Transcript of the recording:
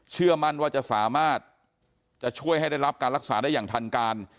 เชื่อมั่นว่าจะสามารถจะช่วยให้ได้รับการรักษาได้อย่างทันการ